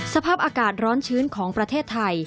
สภาพอากาศร้อนชื้นของประเทศไทย